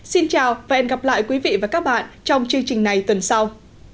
xin chào và hẹn gặp lại quý vị và các bạn trong chương trình này tuần sau